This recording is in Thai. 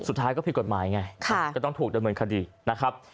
สุดท้ายก็ผิดกฎหมายไงก็ต้องถูกดำเนินคดีนะครับ